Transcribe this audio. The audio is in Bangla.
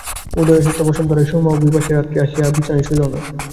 উদয়াদিত্য, বসন্ত রায়, সুরমা ও বিভা সে-রাত্রে আসিয়া আর বিছানায় শুইল না।